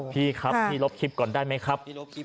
พี่ครับพี่ลบคลิปก่อนได้ไหมครับ